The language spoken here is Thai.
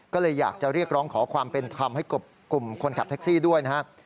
ก็เลยอยากจะเรียกร้องขอความเป็นธรรมให้กลุ่มคนขับแท็กซี่ด้วยนะครับ